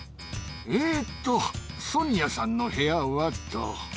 えーっと、ソニアさんの部屋はと。